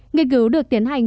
nghiên cứu được tiến hành